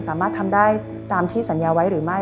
สามารถทำได้ตามที่สัญญาไว้หรือไม่